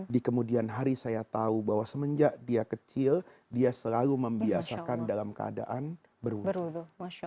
di kemudian hari saya tahu bahwa semenjak dia kecil dia selalu membiasakan dalam keadaan berwuf